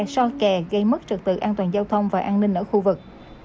so kè gây mất trật tự an toàn giao thông và an ninh ở khu vực